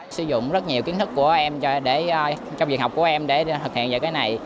sử dụng rất nhiều kiến thức của em trong việc học của em để thực hiện về cái này